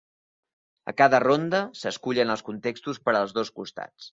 A cada ronda, s"escullen els contextos per als dos costats.